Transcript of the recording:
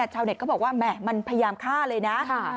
ชาวเน็ตก็บอกว่าแหม่มันพยายามฆ่าเลยนะ